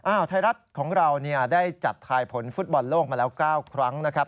ไทยรัฐของเราได้จัดทายผลฟุตบอลโลกมาแล้ว๙ครั้งนะครับ